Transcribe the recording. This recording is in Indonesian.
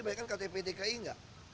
mereka kan ktptki nggak